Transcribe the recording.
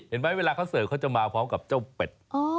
เห็นไหมเวลาเค้าเสิร์ชเค้าจะมาพร้อมจากเจ้าเป็ด